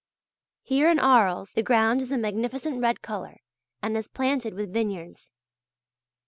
Here in Arles the ground is a magnificent red colour and is planted with vineyards.